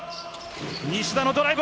西田のドライブ。